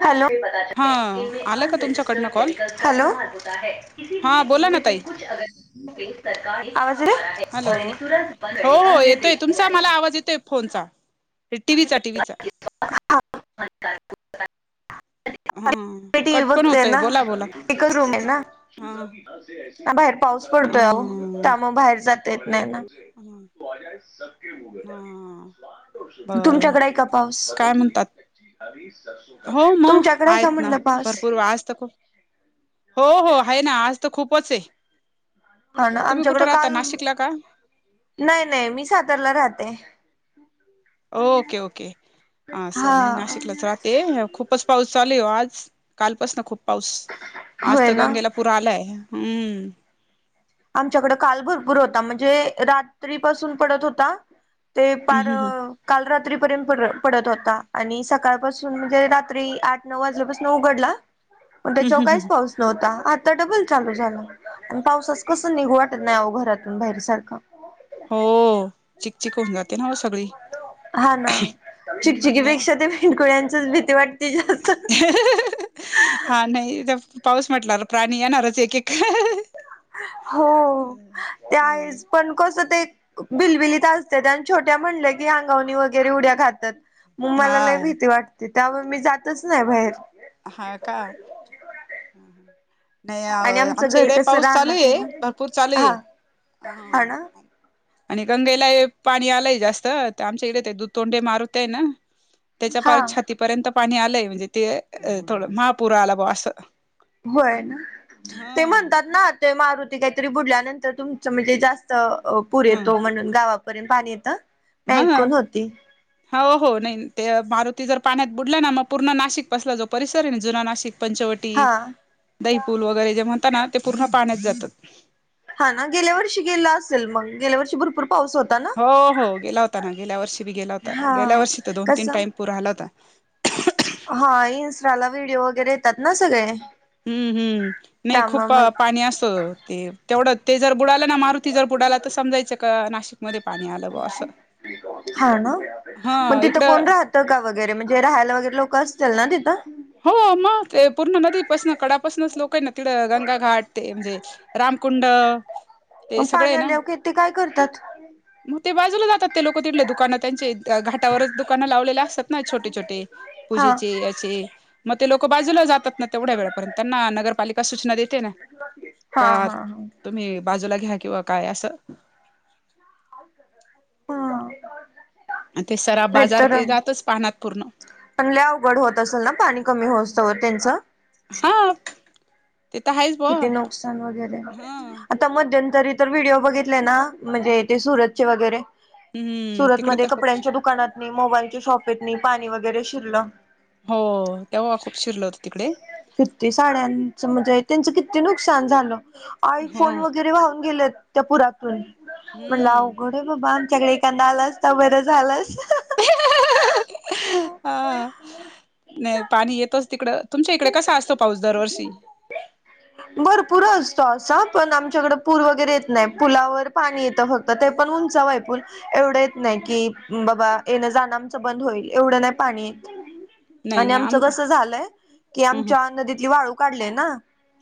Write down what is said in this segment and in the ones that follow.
Hello. हा इनमे आला का तुमच्याकडनं अनरजिस्टर्ड कॉल केमिकल हॅलो होता हा ईसीलिये बोला इनमे ना ताई कुछ अग े सरकार आवाज हॅलो येतोय इन्शुरन्स बंद हो देण्या हो येतोय निर्देश दिया तुमचा मला हे. आवाज येतोय फोनचा. टीव्हीचा टीव्हीचा हां. हा टीव्ही कट पण बघतय होतय ना, बोला बोला एकच रूम ये ना. हा ह बाहेर पाऊस पडतोय आवो. ह त्या मुळे बाहेर जात येत नाही ना. हा बरं तुमच्याकडे आहे का पाऊस? काय म्हणतात हो मग तुमच्याकडे आहे का आहेत ना म्हटलं पाऊस? भरपूर आज तर खूप हो हो आहे ना, आज तर खूपच ये. ह ना, आमच्याकडं काल, नाशिकला का नाही नाही मी सातारला राहते. ओके ओके हा असं, मी नाशिकलाच राहते. ते खूपच पाऊस चालू ये वो आज,, कालपासन खूप पाऊस, आज होय तर ना गंगेला पुर आलाय, हं. आमच्याकडं काल भरपूर होता, म्हणजे रात्रीपासून पडत होता, ते हं पार हं हं काल रात्रीपर्यंत पडत होता, आणि सकाळपासून म्हणजे रात्री आठ नऊ वाजल्यापासून उघडला. पण हं त्याच्यावर हं हं काहीच पाऊस नव्हता, आता डबल चालू झाला, आणि पाऊस असा कसं निघू वाटत नाही वो, घरातून बाहेर सारखं. हो, चिकचिक होऊन जाते ना, सगळी हा ना, हम्म चिकचिकी नाही पेक्षा ते बेंडकुळ्यांचीच भीती वाटते जास्त. हा नाही, तर पाऊस म्हटला वर प्राणी येणारच एक एक. हो, त्या वेळेस पण कस ते बिलबिलीत असत्याता, आणि छोट्या म्हणले की अंगावरनि वगैरे उड्या घालतात. म हा मला लई भीती वाटते. त्यामुळे मी जातच नाय बाहेर. हां. का? हं. हं. नाही अहो. आणि आमचं आमच्या घर इकडे कसं पाऊस चालू रानात आहे ए. ना भरपूर चालूए. हा हा ना हां. आणि गंगेला ये पाणी आलंय जास्त. त आमच्या इकडे ते दू तोंडे मारुती ये ना? त्याच्या हा. पाार छातीपर्यंत पाणी आलंय. म्हणजे ते अ थोडं, महापुर आला बुवा असं. व्हय ना? ते हा म्हणतात ना- ते मारुती काहीतरी बुडल्यानंतर तुमचं म्हणजे जास्त पूर येतो म्हणून गावा- -पर्यंत पाणी येतं. मी हां. ऐकून होती हो. हो. नाही ते मारुती जर पाण्यात बुडला ना? मग पूर्ण नाशिक पासला जो परिसर आहे ना? जुना नाशिक, पंचवटी. हा. दहीपूल वगैरे जे म्हणता ना? ते पूर्ण पाण्यात जात. हा ना? गेल्या वर्षी गेल असेल मग, गेल्या वर्षी भरपूर पाऊस होत- हो. हो. गेला होता ना. गेल्या वर्षी बी गेला होता. गेल्या हा वर्षी तर दोन तीन टाइम पूर आला होता. हां. इंस्टा ला व्हिडिओ वगैरे ए त. हुं. हुं नाही खूप त्यामुळे पाणी माहित अस- ते तेवढं ते जर बुडाल ना. मारुती जर बुडाला तर समजायचं का नाशिक- मध्ये पाणी आल. हा ना? हा म तिथं कोण इकडं राहत? -का वगैरे. म्हणजे राहायला वगैरे लोक असतील ना तिथं? हो. मग. ते पूर्ण नदीपासून कडापासनच लोक आहे ना तिडं. गंगा घाट ते म्हणजे- रामकुंड. म ते पाणी आल्यावर की ते काय करत्यात. म ते बाजूला जातात ते लोक तिथले. दुकानं त्यांचे घाटावरच दुकानं लावलेल्या असतात. ना छोटे छोटे हा पूजेचे याचे. म ते लोक बाजूला जातात ना तेवढ्या वेळापर्यंत. त्यांना नगरपालिका सूचना देते ना. का हां. हां. हां. तुम्ही बाजूला घ्या किंवा काय असं. हं का? म ते सराफ बाजार ते जातच पाण्यात पूर्ण. पण लई अवघड होत असल ना? पाणी कमी होइसतोवर त्यांचं. हा ते त आहे. किती नुकसान वगैरे. ता मध्यंतरी तर व्हिडिओ बघितले ना? म्हणजे ते सुरत चे वगैरे. हम्म तिकडे सुरतमध्ये तर खूप कपड्यांच्या दुकानात नी मोबाईलच्या शॉपेतनी पाणी वगैरे शिरलं. हो. तेव्हा खूप शिरल होत तिकडे. तर ते साड्यांचं म्हणजे त्यांचं किती नुकसान झालं. आय हो फोन वगैरे वाहून गेलेत. त्या पुरातून म्हणलं हम्म अवघड - अरे बाबा आमच्या कडे एखानदा आला असता त बर झाल असतं. हां. नाही पाणी येतच तिकड. तुमच्या इकडे कसा असतो पाऊस दरवर्षी? ह भरपूर असतो असा. पण आमच्याकडं पूर वगैरे येत नाही. पुलावर पाणी येतं फक्त. -क्त. ते पण उंचावय ए पूल. एवढं येत नाही की बाबा येणं जाणं आमचं बंद होईल. एवढं नाही पाणी येत. नाही आणि नाही आम आमचं कस झालंय? की ह आमच्या नदीतली वाळू काढलीय ना?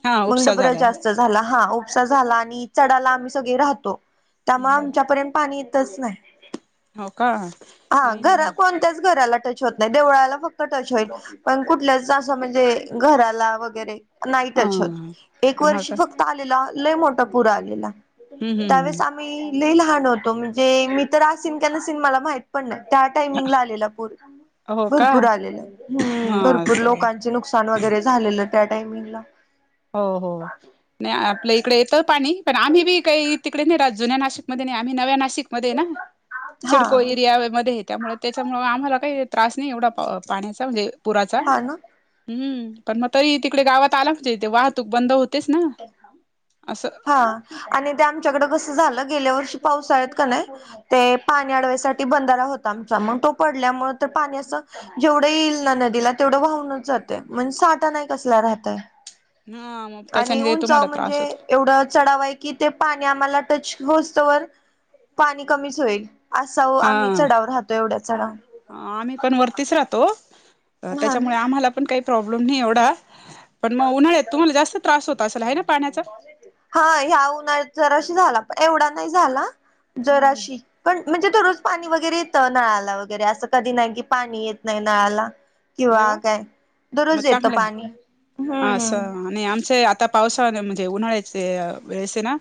हा मंग उपसा डबर झालाय जास्त झाला. हा उपसा झाला आणि चढाला आम्ही सगळे राहतो. त्यामुळे आमच्या पर्यंत पाणी इतच नाही हो का हा नाही नाही घरा ह कोण त्याच घराला टच होत नाही देवळाला फक्त टच होईल पण कुठल्याच अस म्हणजे घराला वैगेरे नाही टच होत एक हा वर्ष का फक्त आलेला लय मोठ पुर आलेला हम्म त्यावेळेस हम्म मी लय लहान होतो म्हणजे मी तर आसीन का नसीन मला माहित पण नाही त्या टायमिंगला आलेला पूर. हो का भरपूर आलेलं हम्म हा भरपूर असं लोकांचे नुकसान वगैरे झालेलं त्या टायमिंगला. हो हो नाही आपल्या इकडे येतं पाणी पण आम्ही बी काही तिकडे नाही राहत जुन्या नाशिकमध्ये नाही आम्ही नव्या नाशिकमध्ये ना हा सिडको एरिया मध्ये त्यामुळे त्याच्यामुळ आम्हाला काही त्रास नाही एवढा पाण्याचा म्हणजे पुराचा. हा ना हम् पण मग तरी तिकडे गावात आला तुझ्या हिते वाहतूक बंद होत हा. आणि ते आमच्याकड कसं झालं गेल्या वर्षी पावसाळ्यात कनय ते पाणी अडवाईसाठी बंधारा होता आमचा मग तो पडल्यामुळे तर पाणी असं जेवढं येईल ना नदीला तेवढं वाहूनच जाते म्हणजे साठा नाही कसला राहतय. ह मग. आणि त्याच्याने ते उंचाव तुम्हाला म्हणजे त्रास होतो एवढं चढावा एक कि ते पाणी आम्हाला टच होसतवर पाणी कमीच होईल. असाव आम्ही हा चढावर राहतो एवढ्या चढाव. आम्ही पण वरतीच राहतो हा ना त्याच्यामुळे आम्हाला पण काही प्रॉब्लेम नाही एवढा पण मग उन्हाळ्यात तुम्हाला जास्त त्रास होत असाला आहे ना पाण्याचा. हा ह्या उन्हाळ्यात जरासा झाला पण एवढा नाही झाला. हम्म जराशी पण म्हणजे थोडस पाणी वगैरे येतं नळाला वगैरे असं कधी नाही की पाणी येत नाही नळाला. अरे किंवा वा काय मग दररोज येतं पाणी हम्म हम्म. आणि आमचे आता पावसाळ्याने म्हणजे उन्हाळ्याचे वेळेसे ना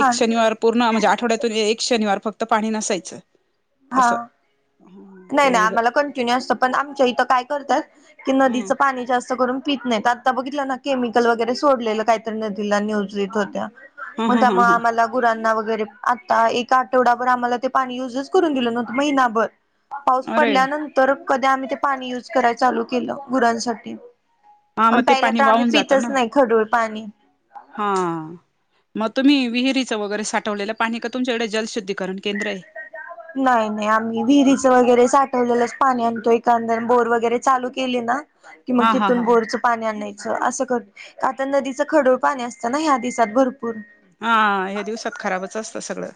हा शनिवार पूर्ण म्हणजे आठवड्यातून एक शनिवार फक्त पाणी नसायचं. हा असं हम्म नाही ते नाही आम्हाला कंटिन्यू असत पण आमच्या इथं काय करतात. की हं नदीचं पाणी जास्त करून पित नाहीत आता बघितलं ना केमिकल वैगेरे सोडलेल काहीतरी नदीला न्यूज येत होत्या ह म ह ह त्यामुळं ह आम्हाला गुरांना वगैरे आता एक आठवडाभर आम्हाला ते पाणी युजच करून दिलं नव्हतं महिनाभर. पाऊस अरे पडल्यानंतर कधी आम्ही ते पाणी युज कराय चालू केलं गुरांसाठी. हा मग आणि ते पहिलं पाणी तर आम्ही वाहून जातं ना पितच नाही खडूळ पाणी. हा. मग तुम्ही विहिरीचं वगैरे साठवलेलं पाणी का तुमच्याकडे जलशुद्धीकरण केंद्र आहे. नाही नाही आम्ही विहिरीच वगैरे साठवलेलंच पाणी आणतो एकंदर बोर वगैरे चालू केले ना कि मग हा हा तिथून हा बोरच पाणी आणायचं असं कर आता नदीचं खडुळ पाणी असतना ह्या दिवसात भरपूर. हां ह्या दिवसात खराबच असतं सगळं.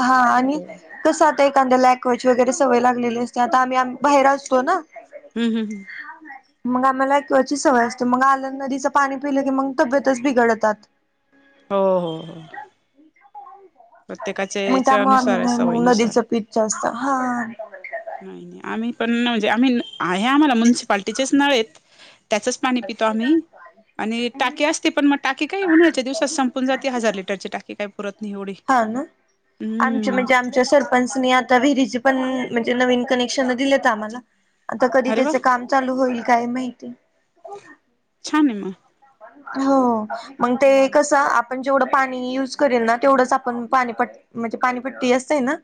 हा आणि. हम्म कसं आता एखाद्याला अक्वाचे वगैरे सवय लागलेली असते ना आता आम्ही बाहेर असतो ना. हम् हम हम. हा ना मग आम्हाला ऐकवाची सवय असते मग आलं नदीच पाणी पिलं की मग तब्येतच बिघडतात. हो हो हो प्रत्येकाच्या मग येच्या त्यामुळे आम्ही अनुसार नाही मग सवयीनुसार. नदीचं पीत जास्त हा हा. नाही नाही आम्ही पण म्हणजे आम्ही आहे आम्हाला म्यन्सिपाल्टीचेच नळेत त्याचच पाणी पितो आम्ही. आणि टाकी असते पण मग टाकी काही उन्हाळ्याच्या दिवसात संपून जाते हजार लिटरची टाकी काही पुरत नाही एवढी. हा ना आमची हम्म म्हणजे आ- -मच्या सरपंचनी आता विहिरीचे पण म्हणजे नवीन कनेक्शन दिलेत आम्हाला आता कधी अरे वा त्याच काम चालू होईल काय माहिती छान आहे मग हो मग ते कसं आपण जेवढं पाणी युज करेल ना तेवढंच आपण पाणी म्हणजे पाणीपट्टी असते ना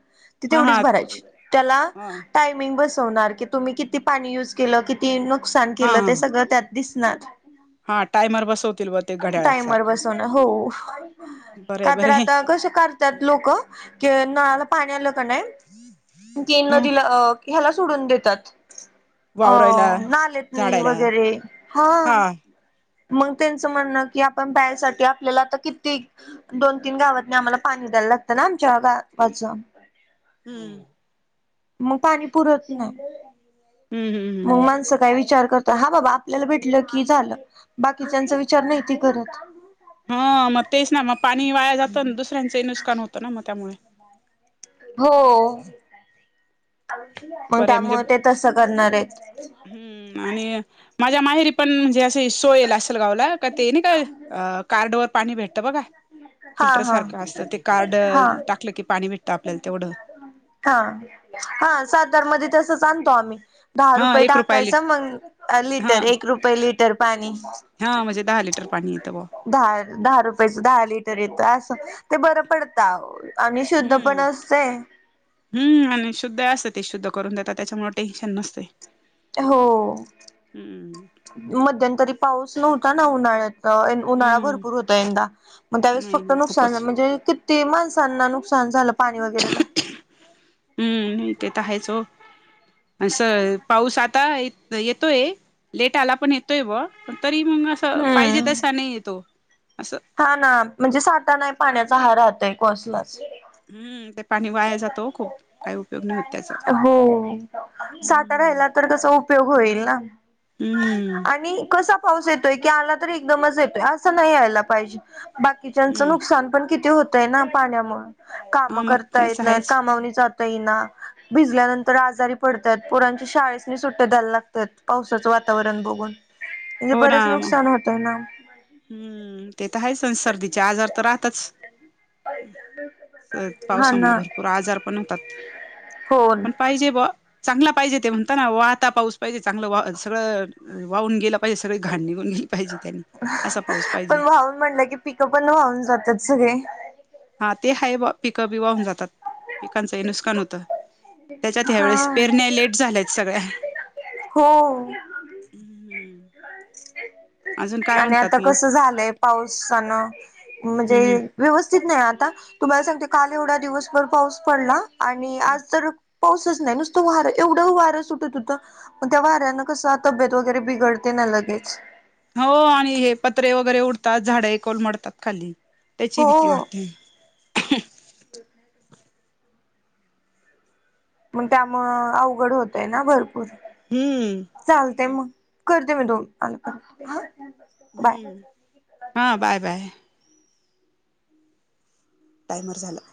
ती हा हा तेवढीच भरायची. त्याला हा टायमिंग बसवणार की तुम्ही किती पाणी युज केलं, किती नुकसान हा केलं हा ते सगळ त्यात दिसणार. हा टायमर बसवतील बहुतेक ते घड्याळ्यात टायमर सारखं बसवण हो बरे का तर बरे आता कस करतात लोक की नळाला पाणी आलं का नाही की ह नदीला ह्याला सोडून देतात. अ वावरायला नालेतनी झाडायला वगैरे हा मग त्यांचं म्हणणं की आपण प्यायसाठी आपल्याला आता किती दोन तीन गावातनी आम्हाला पाणी द्यायला लागतं ना आमच्या गावाचं हम्म मग पाणी पुरत नाही. हम् हमं हम मग माणसं काय विचार करत हा बाबा आपल्याला भेटलं की झालं बाकीच्याचा विचार नाहीती करत. हा मग तेच ना मग पाणी वाया जात अन दुसऱ्यांचं ही नुस्कान होतं ना मग त्यामुळे हो मग बरे म्हणजे त्यामुळे ते तसं करणार आहेत. हम्म आणि माझ्या माहेरी पण म्हणजे असे सोयल अस गावला का ते नाही काय कार्डवर पाणी भेटतं बघा हा फिल्टर हा. सारखं असत ते कार्ड हा टाकलं की पाणी भेटतं आपल्याला तेवढं हा हा सातारमध्ये तसच आणतो आम्ही दहा हा रुपये एक रुपया लिट टाकायचा मग हा लिटर एक रुपये लिटर पाणी हा म्हणजे दहा लिटर पाणी येतं बुवा दहा दहा रुपयाचं दहा लिटर येतं असं ते बरं पडत अवो आणि शुद्ध पण असते हम् आणि शुद्ध असतं ते शुद्ध करून देतात त्याच्यामुळे टेन्शन नसतंय. हो हम्म मध्यंतरी पाऊस नव्हता ना उन्हाळ्यात अ उन्हाळा हम्म भरपूर होता यंदा मग त्यावेळेस नाही फक्त नाही नुकसान खूपच म्हणजे कि - -ती माणसांना नुकसान झालं पाणी वगैरे हम्म नाही तेेतर आहेच हो आणि पाऊस आ- -ता येतोय लेट आला पण येतो बुवा पण तरी मग असं पाहिजे हम्म तसा नाही येतो असं हा ना म्हणजे साठा नाही पाण्याचा हा राहतय कसलाच हम्म तेप त्याचा हो साठा हम्म राहिला तर त्याचा उपयोग उपयोग होईल ना. हम्म आणि कसा पाऊस येतोय की आला तरी एकदमच येतोय असं नाही यायला पाहिजे. बाकी किचनच हम्म नुकसान पण किती होतय ना पाण्यामुळे काम हा मग करता तेच येत नाही आहेच का. मावणी जातय ना. भिजल्यानंतर आजारी पडतात पोरांच्या शाळेस नाही सुट्टे द्यायला लागतात पावसाचं वातावरण बघून. म्हणजे हो ना बरेच मग नुकसान होतय ना. हम्म ते तर आहे सं सर्दीचे आजार तर राहतच. हा पावसामुळे ना भरपूर आजार पण होतात हो पण. पाहिजे ब चांगला पाहिजे ते म्हणता ना वाहता पाऊस पाहिजे चांगलं वा सगळं. वाहून गेला पाहिज सगळी घाड निघून गेली पाजे. पण वहून म्हटलं की पिक पण वा्हाहून जातात सगळे. हा ते हाय पिकं बिवाहून जातात पिकांचं हे नुकसान होतं. त्याच्यात ह्या वेळेस हा पेरण्या लेट झाल्यात सगळ्या. हो. हम्म अजून काय आणि आता म्हणतात मग कस झालंय पावसानं म्हणजे. हम्म व्यवस्थित नाही आता तुम्हाला सांगते काल एवढा दिवसभर पाऊस पडला आणि आज तर. पाऊसच नाही नुसतं वारं एवढं वारं सुटत होतं मग त्या वाऱ्याना कसं तब्येत वगैरे बिघडत. त्यांना लगेच. हो आणि हे पत्रे वगैरे उडतात झाडे कोल मडतात खाली त्याची भीती वाटते. बु [unintelligible] मग त्यामु अवघड होतय ना भरपूर. हम्म. चालतंय मग. करते मी दोन मिनिटांनी परत फोन. हम्म. हा बाय बाय. टाईमर झालं.